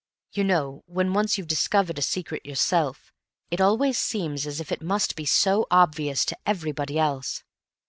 You know, when once you've discovered a secret yourself, it always seems as if it must be so obvious to everybody else.